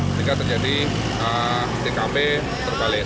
sehingga terjadi ckp terbalik